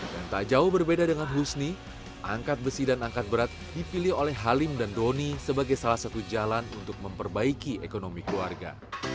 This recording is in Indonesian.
dan tak jauh berbeda dengan husni angkat besi dan angkat berat dipilih oleh halim dan doni sebagai salah satu jalan untuk memperbaiki ekonomi keluarga